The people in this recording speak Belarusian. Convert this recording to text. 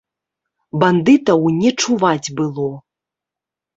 Бандытаў не чуваць было.